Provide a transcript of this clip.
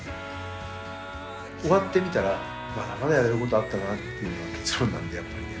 終わってみたらまだまだやれることあったなっていうのが結論なんでやっぱりね。